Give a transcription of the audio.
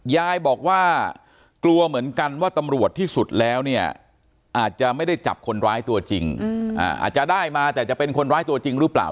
ยายบอกว่ากลัวเหมือนกันว่าตำรวจที่สุดแล้วเนี่ยอาจจะไม่ได้จับคนร้ายตัวจริงอาจจะได้มาแต่จะเป็นคนร้ายตัวจริงหรือเปล่า